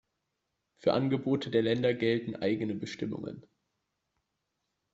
Für Angebote der Länder gelten eigene Bestimmungen.